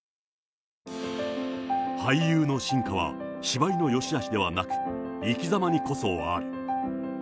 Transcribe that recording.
俳優の真価は芝居のよしあしではなく、生きざまにこそある。